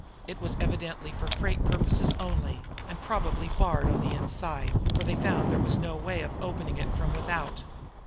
It was evidently for freight purposes only, and probably barred on the inside, for they found there was no way of opening it from without.